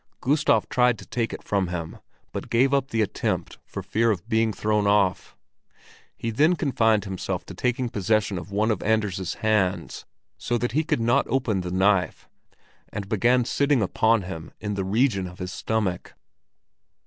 Gustav tried to take it from him, but gave up the attempt for fear of being thrown off. He then confined himself to taking possession of one of Anders' hands, so that he could not open the knife, and began sitting upon him in the region of his stomach.